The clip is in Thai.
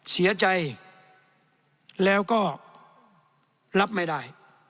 เสียใจแล้วก็รับไม่ได้